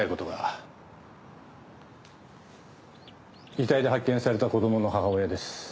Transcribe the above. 遺体で発見された子供の母親です。